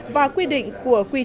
và quy định của phương án